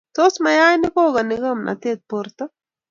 Tos mayaik kogani gomnatet borto?